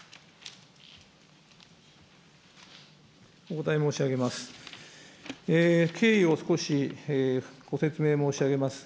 お答え申し上げます。